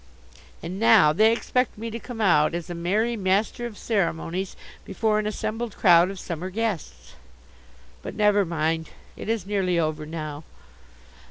And now they expect me to come out as a merry master of ceremonies before an assembled crowd of summer guests. But never mind. It is nearly over now.